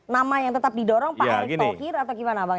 nama yang tetap didorong pak erick thohir atau gimana bang